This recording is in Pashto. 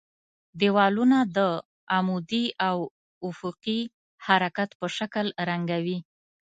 دېوالونه د عمودي او افقي حرکت په شکل رنګوي.